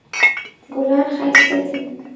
ګلان ښایسته دي